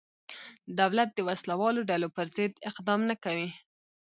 دولت د وسله والو ډلو پرضد اقدام نه کوي.